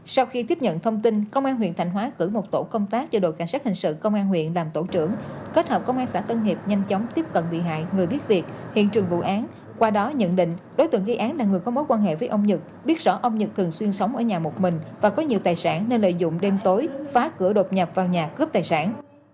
sau khi tiếp nhận thông tin công an huyện thạnh hóa cử một tổ công tác cho đội cảnh sát hình sự công an huyện làm tổ trưởng kết hợp công an xã tân hiệp nhanh chóng tiếp cận bị hại người biết việc hiện trường vụ án qua đó nhận định đối tượng gây án là người có mối quan hệ với ông nhật biết rõ ông nhật cường xuyên sống ở nhà một mình và có nhiều tài sản nên lợi dụng đêm tối phá cửa đột nhập vào nhà cướp tài sản